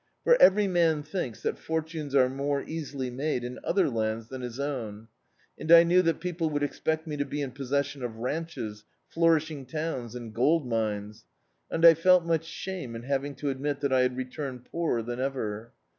For every man thinks that fortunes are more easily made in other lands than his own, and I knew that pec^le would expect me to be in possessicm of ranches, flourishing towns and gold mines; and I feh much shame in having to admit that I had returned poorer than ever.